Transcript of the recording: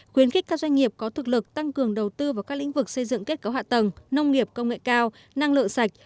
khuyến khích các doanh nghiệp có thực lực tăng cường đầu tư vào các lĩnh vực xây dựng kết cấu hạ tầng nông nghiệp công nghệ cao năng lượng sạch